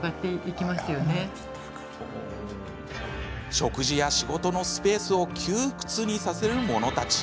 食事や仕事のスペースを窮屈にさせるものたち。